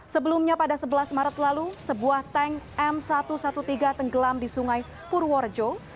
sebelumnya pada sebelas maret lalu sebuah tank m satu ratus tiga belas tenggelam di sungai purworejo